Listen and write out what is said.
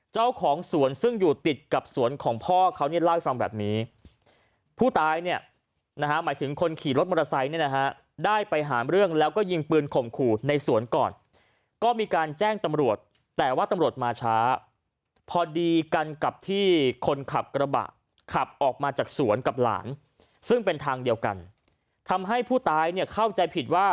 เจ้าของสวนซึ่งอยู่ติดกับสวนของพ่อเขาเนี่ยเล่าให้ฟังแบบนี้ผู้ตายเนี่ยนะฮะหมายถึงคนขี่รถมอเตอร์ไซค์เนี่ยนะฮะได้ไปหาเรื่องแล้วก็ยิงปืนข่มขู่ในสวนก่อนก็มีการแจ้งตำรวจแต่ว่าตำรวจมาช้าพอดีกันกับที่คนขับกระบะขับออกมาจากสวนกับหลานซึ่งเป็นทางเดียวกันทำให้ผู้ตายเนี่ยเข้าใจผิดว่า